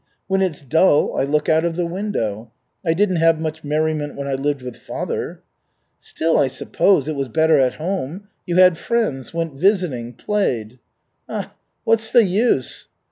When it's dull, I look out of the window. I didn't have much merriment when I lived with father." "Still, I suppose, it was better at home. You had friends, went visiting, played." "Ah, what's the use!"